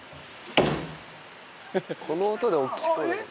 この音で起きそう。